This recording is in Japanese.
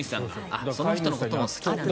その人のことが好きなんだ。